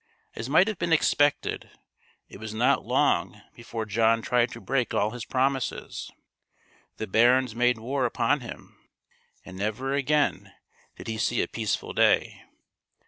As might have been expected, it was not long before John tried to break all his promises. The barons made war upon him, and never again did he see a peaceful day.